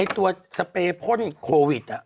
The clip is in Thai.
ตัวสเปรยพ่นโควิด